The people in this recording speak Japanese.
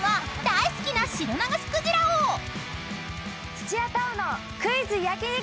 土屋太鳳のクイズ焼き肉。